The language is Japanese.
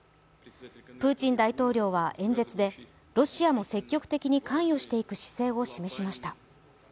プーチン大統領は演説でロシアも積極的に関与していく姿勢を示しました。